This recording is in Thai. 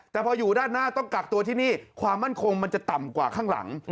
แต่พออยู่ด้านหน้าต้องกักตัวที่นี่ความมั่นคงมันจะต่ำกว่าข้างหลัง